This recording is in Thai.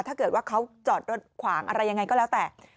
ถ้าเกิดว่าเขาจอดรถขวางอะไรยังไงก็แล้วแต่